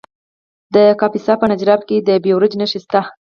د کاپیسا په نجراب کې د بیروج نښې شته.